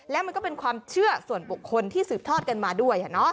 และมันก็เป็นความเชื่อส่วนบุคคลที่สืบทอดกันมาด้วย